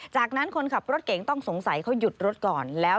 จากนั้นคนขับรถเก๋งต้องสงสัยเขาหยุดรถก่อนแล้ว